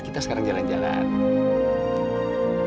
kita sekarang jalan jalan